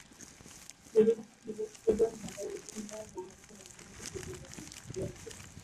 Sher-e-Bangla cricket stadium, ঢাকায় উদ্বোধন করেন বাংলাদেশের রাষ্ট্রপতি জিল্লুর রহমান।